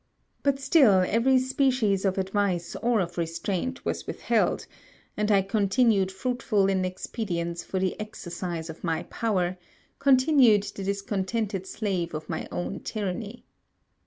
But still every species of advice or of restraint was withheld; and I continued fruitful in expedients for the exercise of my power, continued the discontented slave of my own tyranny.